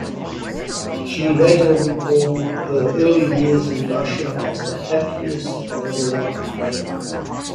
She later recalled her early years in Russia as the happiest of her life.